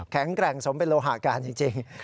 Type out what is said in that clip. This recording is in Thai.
แข็งแกร่งสมเป็นโลหาการจริง